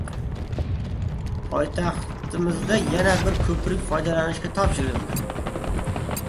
Poytaxtimizda yana bir ko‘prik foydalanishga topshirildi